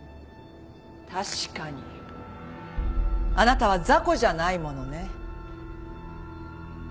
確かにあなたは雑魚じゃないものね。